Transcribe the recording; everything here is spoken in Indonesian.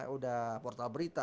udah portal berita